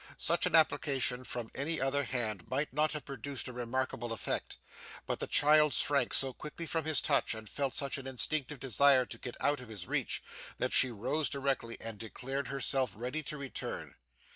Such an application from any other hand might not have produced a remarkable effect, but the child shrank so quickly from his touch and felt such an instinctive desire to get out of his reach, that she rose directly and declared herself ready to return.